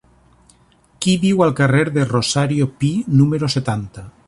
Qui viu al carrer de Rosario Pi número setanta?